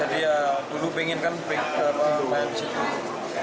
jadi ya dulu pengen kan berlagak di situ